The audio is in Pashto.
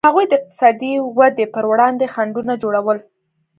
هغوی د اقتصادي ودې پر وړاندې خنډونه جوړول.